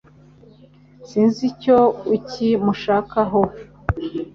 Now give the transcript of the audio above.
sinzi icyo uki mushaka ho